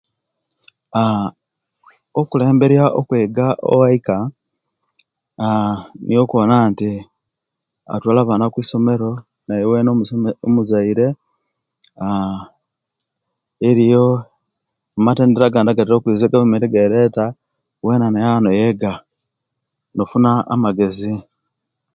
Aaa okulembera okwega owaika aaa niwo okuwona nti atwaala abaana kwisomero newena omuzaire aaa eriyo amatendera agandi agatera okwiza egavumenti egereta bwena noyaba noyega nofuna amagezi